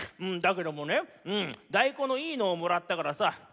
「だけどもねうん大根のいいのをもらったからさ